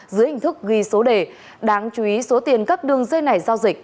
dưới hình thức ghi số đề đáng chú ý số tiền các đường dây này giao dịch